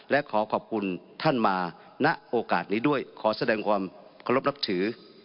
และขอขอบคุณท่านมาณโอกาสนี้ด้วยขอแสดงความเคารพนับถือ